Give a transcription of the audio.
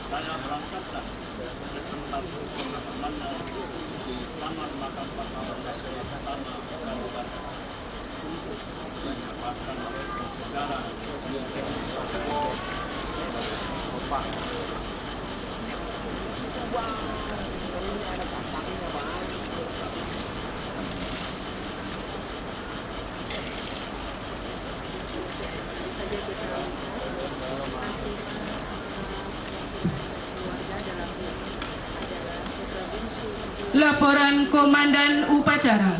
ketua makam pahlawan nasional